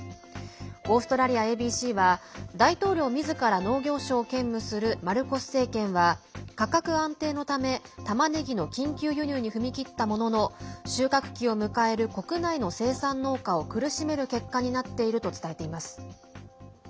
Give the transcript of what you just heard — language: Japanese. オーストラリアＡＢＣは大統領みずから農業相を兼務するマルコス政権は、価格安定のためたまねぎの緊急輸入に踏み切ったものの収穫期を迎える国内の生産農家を苦しめる結果になっていると伝えています。